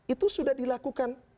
itu sudah dilakukan